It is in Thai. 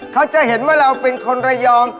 เขาจะเห็นว่าเราเป็นคนระยอง